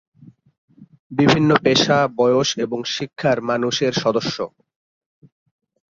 বিভিন্ন পেশা, বয়স এবং শিক্ষার মানুষ এর সদস্য।